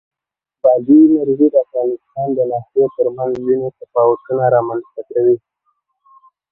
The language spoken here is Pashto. بادي انرژي د افغانستان د ناحیو ترمنځ ځینې تفاوتونه رامنځ ته کوي.